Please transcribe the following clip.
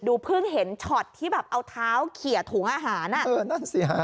เพิ่งเห็นช็อตที่แบบเอาเท้าเขียถุงอาหารอ่ะเออนั่นสิฮะ